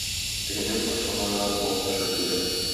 Тегеннән патша малайлары бау төшерделәр.